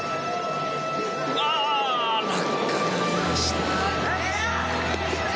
落下がありました。